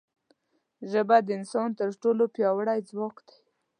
ژبه د انسان تر ټولو پیاوړی ځواک دی